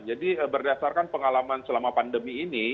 jadi berdasarkan pengalaman selama pandemi ini